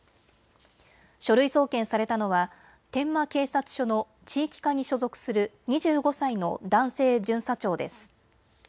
書類送検されたのは天満警察署の地域課に所属する２５歳の男性巡査長です。